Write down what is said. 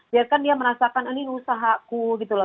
biarkan dia merasakan ini usahaku